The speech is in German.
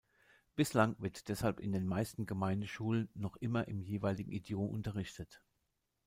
Bislang wird deshalb in den meisten Gemeindeschulen noch immer im jeweiligen Idiom unterrichtet.